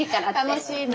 楽しいね。